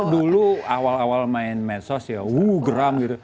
dulu awal awal main medsos ya wuh geram gitu